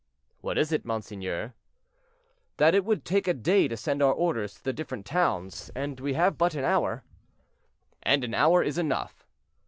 "What is it, monseigneur?" "That it would take a day to send our orders to the different towns, and we have but an hour." "And an hour is enough."